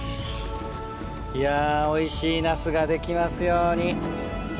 いやー、おいしいナスが出来ますように。